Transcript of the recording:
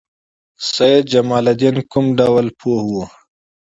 سید جمال الدین کوم ډول مفکر و؟